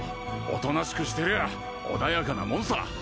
おとなしくしてりゃ穏やかなもんさ